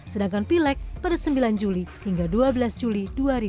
sedangkan pilek pada sembilan juli hingga dua belas juli dua ribu dua puluh